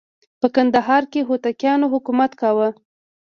په کندهار کې هوتکیانو حکومت کاوه.